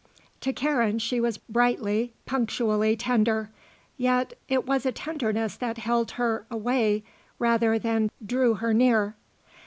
To Karen she was brightly, punctually tender, yet it was a tenderness that held her away rather than drew her near.